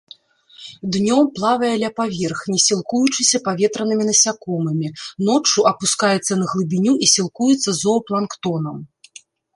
Днём плавае ля паверхні, сілкуючыся паветранымі насякомымі, ноччу апускаецца на глыбіню і сілкуецца зоапланктонам.